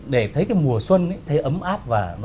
để thấy cái mùa xuân ấy thấy ấm áp và nó khá khéo